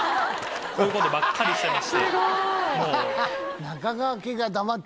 こういうことばっかりしてまして。